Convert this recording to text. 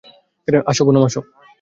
আসো, পুনাম।